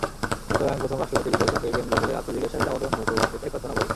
সুতরাং প্রথম রাষ্ট্রপতি বিতর্ককে কেন্দ্র করে আত্মজিজ্ঞাসার জাগরণ ঘটুক, সেটাই প্রার্থনা করি।